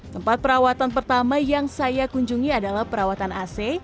tempat perawatan pertama yang saya kunjungi adalah perawatan ac